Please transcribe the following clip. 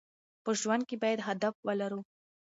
په ژوند کې باید هدف ولرو.